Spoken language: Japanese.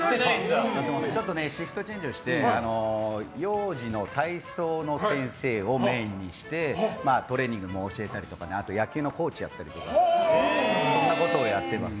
ちょっとシフトチェンジをして幼児の体操の先生をメインにしてトレーニングも教えたりとかあと野球のコーチをやったりとかそんなことをやってます。